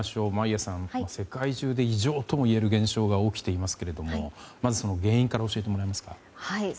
眞家さん、世界中で異常ともいえる現象が起きていますがまずその原因から教えてもらえますか。